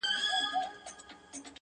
ما ويل وېره مي پر زړه پرېوته،